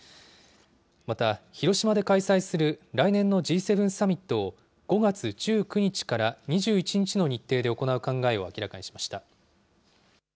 また広島で開催する来年のＧ７サミットを、５月１９日から２１日の日程で行う考えを明らかにしました。